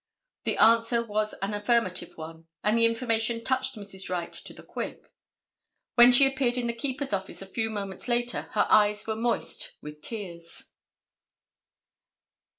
The answer was an affirmative one, and the information touched Mrs. Wright to the quick. When she appeared in the keeper's office a few moments later her eyes were moist with tears.